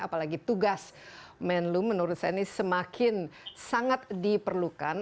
apalagi tugas menlu menurut saya ini semakin sangat diperlukan